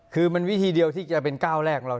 คือมันวิธีเดียวที่จะเป็นก้าวแรกของเรา